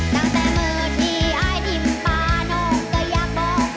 ตั้งแต่มือที่อายนิ่มปลาน้องก็อยากบอก